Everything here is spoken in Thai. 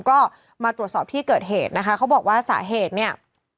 ก็มาตรวจสอบที่เกิดเหตุนะคะเขาบอกว่าสาเหตุเนี่ย